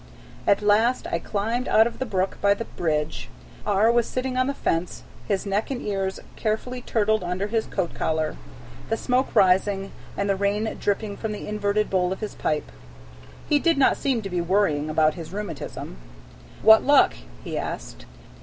At last I climbed out of the brook, by the bridge. R. was sitting on the fence, his neck and ears carefully turtled under his coat collar, the smoke rising and the rain dripping from the inverted bowl of his pipe. He did not seem to be worrying about his rheumatism. "What luck?" he asked.